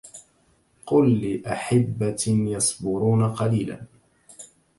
قل للأحبة يصبرون قليلا